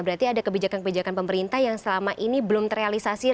berarti ada kebijakan kebijakan pemerintah yang selama ini belum terrealisasi